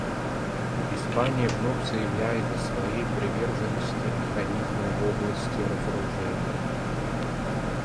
Испания вновь заявляет о своей приверженности механизму в области разоружения.